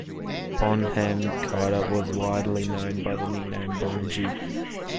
Bonham Carter was widely known by the nickname 'Bongie'.